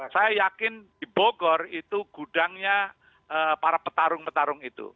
saya yakin di bogor itu gudangnya para petarung petarung itu